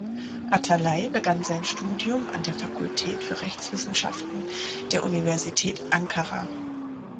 Atalay begann sein Studium an der Fakultät für Rechtswissenschaften der Universität Ankara.